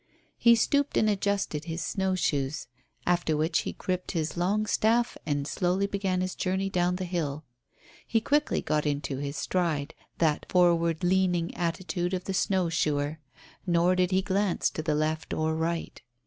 He stooped and adjusted his snow shoes, after which he gripped his long staff and slowly began his journey down the hill. He quickly got into his stride, that forward, leaning attitude of the snow shoer; nor did he glance to the left or right.